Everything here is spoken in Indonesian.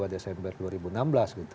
dua desember dua ribu enam belas gitu